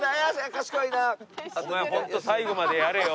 お前ホント最後までやれよ。